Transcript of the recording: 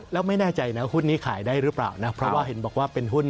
แล้วไม่แน่ใจนะหุ้นนี้ขายได้หรือเปล่านะเพราะว่าเห็นบอกว่าเป็นหุ้น